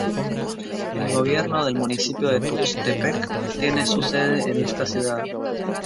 El gobierno del municipio de Tuxtepec, tiene su sede en esta ciudad.